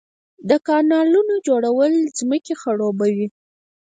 د کانالونو جوړول ځمکې خړوبوي.